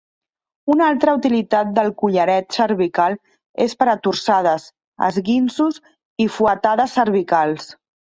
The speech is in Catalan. Una altra utilitat del collaret cervical es per a torçades, esquinços i fuetades cervicals.